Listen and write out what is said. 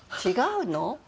違うの？